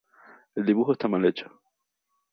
El dibujo está mal hecho.